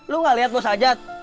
lu gak lihat lo sajat